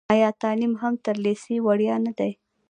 آیا تعلیم هم تر لیسې وړیا نه دی؟